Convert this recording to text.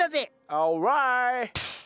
オーライ！